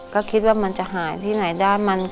ก็คิดว่ามันจะหายที่ไหนได้